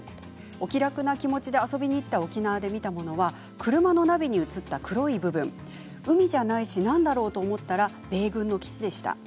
お気楽な気持ちで遊びに行った沖縄で見たものは車のナビに映った黒い部分海じゃないし何だろうと思ったら米軍基地でした。